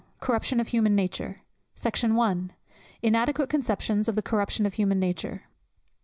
CORRUPTION OF HUMAN NATURE. SECT. I. _Inadequate Conceptions of the Corruption of Human Nature.